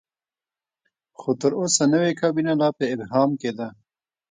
خو تر اوسه نوې کابینه لا په ابهام کې ده.